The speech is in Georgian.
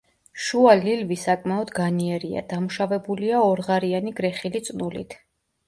შუა ლილვი საკმაოდ განიერია, დამუშავებულია ორღარიანი გრეხილი წნულით.